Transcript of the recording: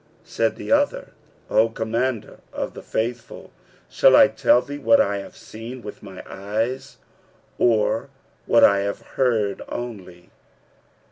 Said the other, "O Commander of the Faithful, shall I tell thee what I have seen with my eyes or what I have only heard tell?"